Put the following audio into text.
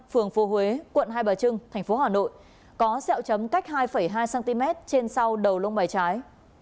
phường phố huế quận hai bà trưng thành phố hà nội có xeo chấm cách hai hai cm trên sau đầu lông bài trái